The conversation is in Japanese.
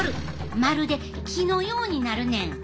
まるで木のようになるねん。